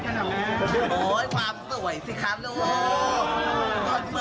อันนี้ต้องมา